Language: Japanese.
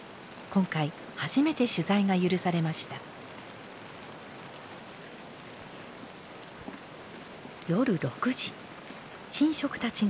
今回初めて取材が許されました。